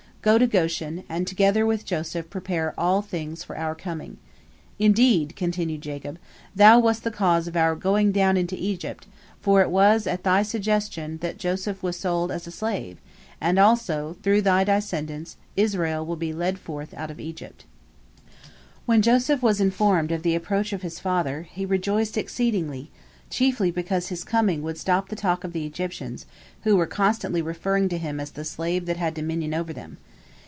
Go to Goshen, and together with Joseph prepare all things for our coming. Indeed," continued Jacob, "thou wast the cause of our going down into Egypt, for it was at thy suggestion that Joseph was sold as a slave, and, also, through thy descendants Israel will be led forth out of Egypt." When Joseph was informed of the approach of his father, he rejoiced exceedingly, chiefly because his coming would stop the talk of the Egyptians, who were constantly referring to him as the slave that had dominion over them.